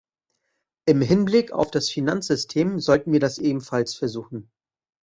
Im Hinblick auf das Finanzsystem sollten wir das ebenfalls versuchen.